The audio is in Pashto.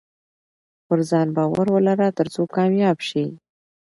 پرځان باور ولره ترڅو کامياب سې